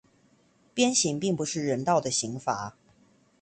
鞭刑並不是人道的刑罰